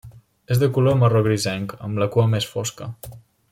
És de color marró grisenc, amb la cua més fosca.